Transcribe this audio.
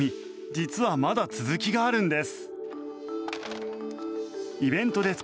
実はまだ続きがあるんです。